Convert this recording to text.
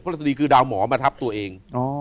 เพราะว่าดีคือดาวหมอมาทับตัวเอง